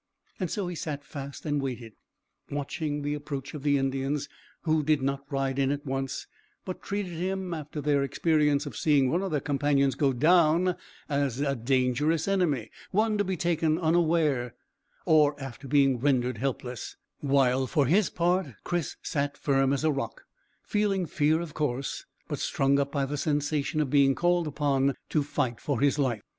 So he sat fast and waited, watching the approach of the Indians, who did not ride in at once, but treated him, after their experience of seeing one of their companions go down, as a dangerous enemy, one to be taken unawares, or after being rendered helpless, while for his part Chris sat firm as a rock, feeling fear, of course, but strung up by the sensation of being suddenly called upon to fight for his life.